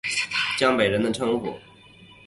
江北人的称呼。